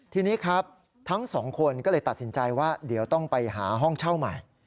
ทีนี้ครับทั้งสองคนก็เลยตัดสินใจว่าเดี๋ยวต้องไปหาห้องเช่าใหม่